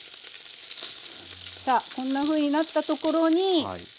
さあこんなふうになったところにアスパラガス。